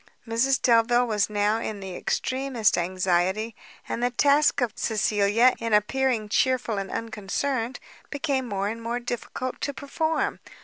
Mrs Delvile was now in the extremest anxiety; and the task of Cecilia in appearing chearful and unconcerned, became more and more difficult to perform.